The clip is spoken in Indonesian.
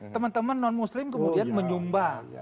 teman teman non muslim kemudian menyumbang